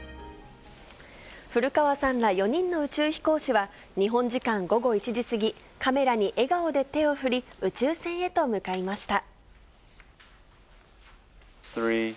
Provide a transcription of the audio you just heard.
古川さんら４人の宇宙飛行士は、日本時間午後１時過ぎ、カメラに笑顔で手を振り、宇宙船へと向かいました。